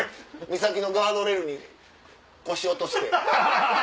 岬のガードレールに腰落として。